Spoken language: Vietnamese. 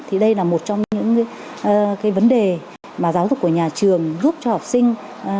thì đây là một trong những cái vấn đề mà giáo dục của nhà trường giúp cho học sinh